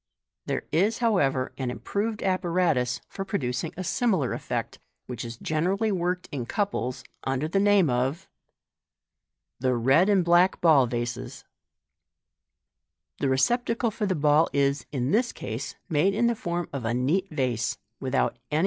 There is, however, an improved apparatus for producing a similar effect, which is generally worked in couples, under the name of Fig. 127. The Red and Bi.ack Ball Vases — The receptacle for the ball ib in this case made in the form of a neat vase, and without any MODERN MAGIC.